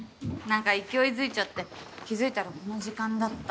何か勢いづいちゃって気付いたらこの時間だった。